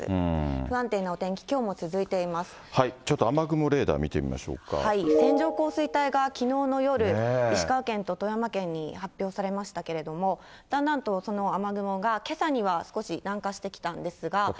不安定なお天気、きょうも続いてちょっと雨雲レーダー見てみ線状降水帯がきのうの夜、石川県と富山県に発表されましたけれども、だんだんとその雨雲が、けさには少し南下してきたんですが。